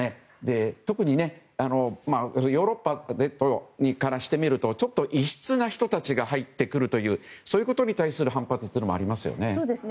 特にヨーロッパからして見るとちょっと異質な人たちが入ってくることに対する反発もありますよね。